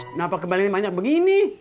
kenapa kembaliannya banyak begini